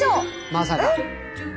まさか！